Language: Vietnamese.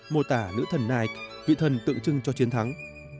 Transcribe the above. mô tả nữ thần này vị thần tượng trưng cho chiến thắng